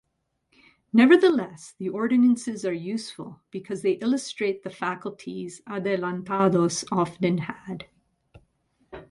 Nevertheless, the Ordinances are useful because they illustrate the faculties "adelantados" often had.